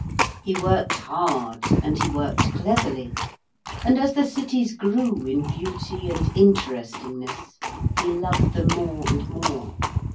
He worked hard and he worked cleverly, and as the cities grew in beauty and interestingness he loved them more and more.